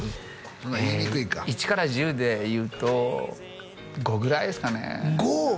そんな言いにくいか１から１０でいうと５ぐらいですかね５！？